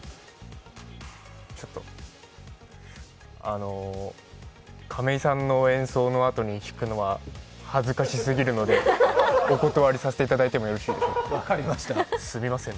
ちょっと、あの、亀井さんの演奏のあとに弾くのは恥ずかしすぎるのでお断りさせていただいてもよろしいですかすみません。